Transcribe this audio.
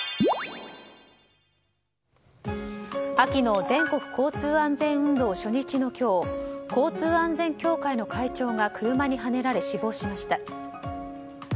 秋の全国交通安全運動初日の今日交通安全協会の会長が車にはねられ死亡しました。